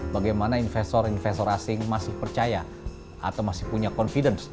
bagaimana investor investor asing masih percaya atau masih punya confidence